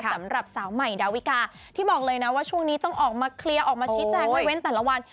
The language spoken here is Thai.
สำหรับสาวใหม่ดาวิกาที่บอกเลยนะว่าช่วงนี้ต้องออกมาเคลียร์ออกมาชี้แจงไว้เว้นแต่ละวัน